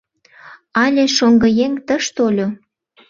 Але шоҥгыеҥ тыш тольо?